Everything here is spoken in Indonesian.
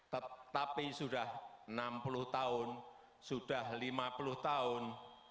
tetapi sudah enam puluh tahun sudah lima puluh tahun